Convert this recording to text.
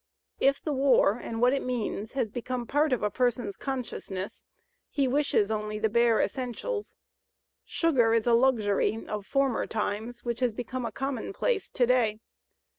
If the war and what it means has become part of a person's consciousness, he wishes only the bare essentials. Sugar is a luxury of former times which has become a commonplace to day.